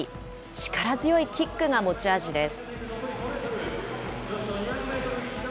力強いキックが持ち味です。